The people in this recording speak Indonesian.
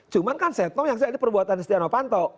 cuman kan setnoff yang perbuatan setianow panto